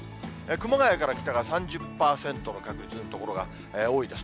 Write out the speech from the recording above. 熊谷から北が３０％の確率の所が多いです。